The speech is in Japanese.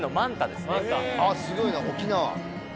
すごいな沖縄。